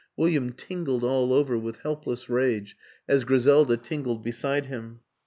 William tingled all over with helpless rage as Griselda tingled beside him.